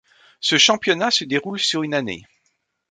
Ce championnat se déroule sur une année.